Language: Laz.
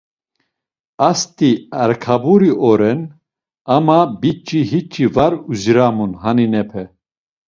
Ast̆i Arkaburi oran ama biç̌i hiç̌i var uziramun haninepe.